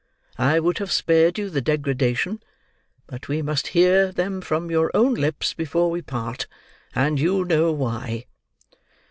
I would have spared you the degradation, but we must hear them from your own lips before we part, and you know why."